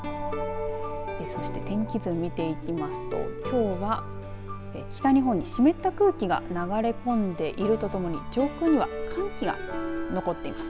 そして天気図見ていきますときょうは北日本で湿った空気が流れ込んでいるとともに上空には寒気が残っています。